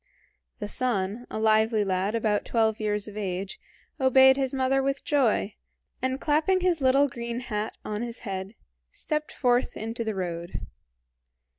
The son, a lively lad about twelve years of age, obeyed his mother with joy, and clapping his little green hat on his head, stepped forth into the road.